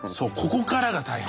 こっからが大変。